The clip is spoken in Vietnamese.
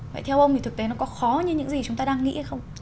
vậy theo ông thì thực tế nó có khó như những gì chúng ta đang nghĩ hay không